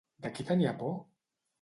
De qui tenia por?